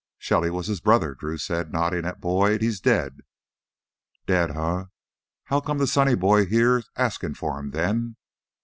"Shelly was his brother," Drew said, nodding at Boyd. "He's dead." "Dead, eh? How come sonny boy here's askin' for him then?"